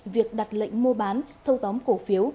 việc đặt lệnh mua bán thâu tóm cổ phiếu